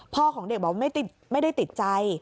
พ่อของเด็กบอกว่าไม่ได้ติดใจ